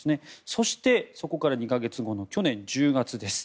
そして、そこから２か月後の去年１０月です。